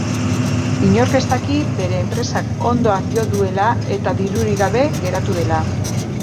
Inork ez daki bere enpresak hondoa jo duela eta dirurik gabe geratu dela.